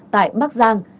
tại bắc giang